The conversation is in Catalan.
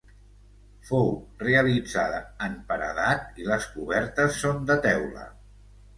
Fou realitzada en paredat i les cobertes són de teula.